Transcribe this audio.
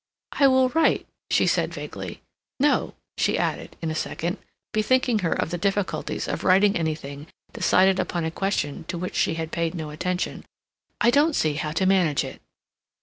"I will write," she said vaguely. "No," she added, in a second, bethinking her of the difficulties of writing anything decided upon a question to which she had paid no attention, "I don't see how to manage it."